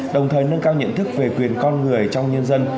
đồng thời nâng cao nhận thức về quyền con người trong nhân dân